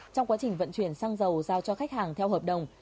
trong quá trình vận chuyển xăng dầu giao cho khách hàng theo hợp đồng